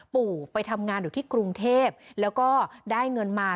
ปู่ไปทำงานอยู่ที่กรุงเทพแล้วก็ได้เงินมา